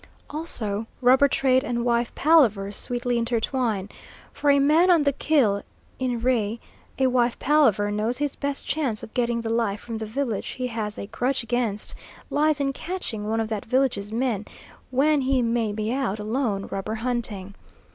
Also rubber trade and wife palavers sweetly intertwine, for a man on the kill in re a wife palaver knows his best chance of getting the life from the village he has a grudge against lies in catching one of that village's men when he may be out alone rubber hunting.